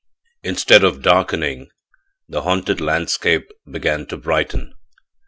Instead of darkening, the haunted landscape began to brighten.